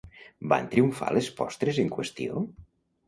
Van triomfar les postres en qüestió?